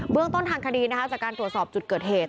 เรื่องต้นทางคดีจากการตรวจสอบจุดเกิดเหตุ